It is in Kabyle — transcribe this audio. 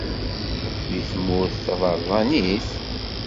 Di tmurt taberranit?